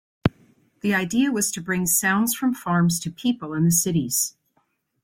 The idea was to bring sounds from farms to people in the cities.